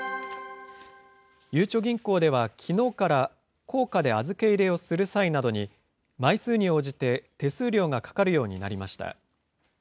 ゆうちょ銀行ではきのうから、硬貨で預け入れをする際などに、枚数に応じて手数料がかかるようになりました。